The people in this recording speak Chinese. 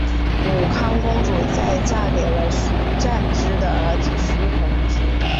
武康公主在嫁给了徐湛之的儿子徐恒之。